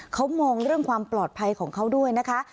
เขามองเรื่องความปลอดภัยของเขาด้วยนะคะ